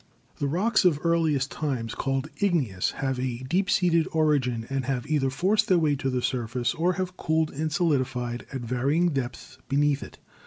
The rocks of earliest times, called igneous, have a deep seated origin and have either forced their way to the surface or have cooled and solidified at varying depths beneath it.